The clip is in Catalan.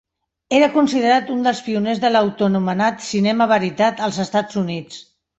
Era considerat un dels pioners de l'autoanomenat cinema veritat als Estats Units.